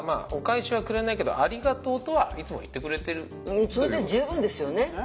やっぱりそれで十分ですよね。